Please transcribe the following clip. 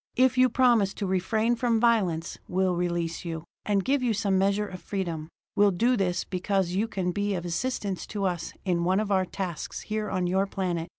"If you promise to refrain from violence, we'll release you, and give you some measure of freedom. We'll do this because you can be of assistance to us in one of our tasks here on your planet."